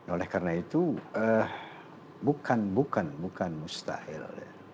oleh karena itu bukan bukan bukan mustahil